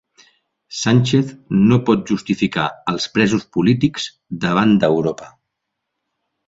Sánchez no pot justificar els presos polítics davant d'Europa